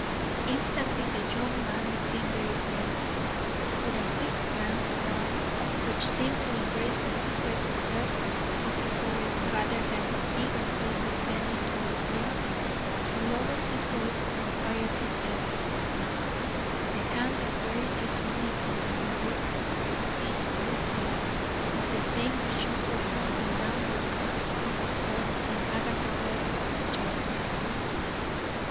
Instantly the young man became very grave. With a quick glance around which seemed to embrace the secret recesses of the forest rather than the eager faces bending towards him, he lowered his voice and quietly said: "The hand that buried this money under the roots of this old tree is the same which you saw pointing downward at the spot of blood in Agatha Webb's front yard."